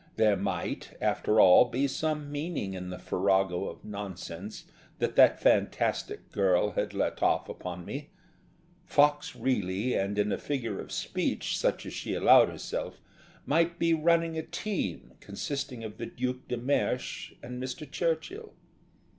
There might, after all, be some meaning in the farrago of nonsense that that fantastic girl had let off upon me. Fox really and in a figure of speech such as she allowed herself, might be running a team consisting of the Duc de Mersch and Mr. Churchill.